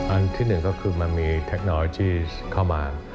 อันที่หนึ่งก็คือมันมีเทคโนโลยที่เข้ามา